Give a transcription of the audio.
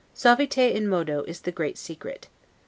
'Suaviter in modo' is the great secret.